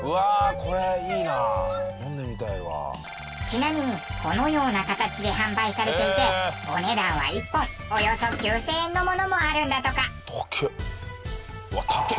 ちなみにこのような形で販売されていてお値段は１本およそ９０００円のものもあるんだとか。